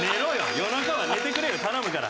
夜中は寝てくれよ頼むから。